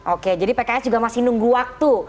oke jadi pks juga masih nunggu waktu